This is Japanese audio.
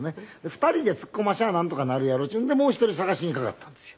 ２人でツッコましゃなんとかなるやろっていうんでもう１人探しにかかったんですよ。